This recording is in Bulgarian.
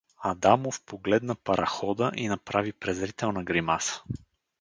Адамов погледна парахода и направи презрителна гримаса.